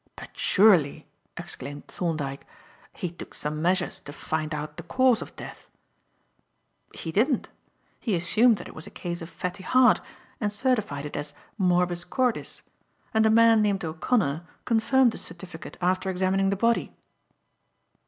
"But surely," exclaimed Thorndyke, "he took some measures to find out the cause of death!" "He didn't. He assumed that it was a case of fatty heart and certified it as 'Morbus cordis'; and a man named O'Connor confirmed his certificate after examining the body."